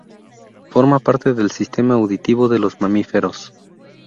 Forma parte del sistema auditivo de los mamíferos.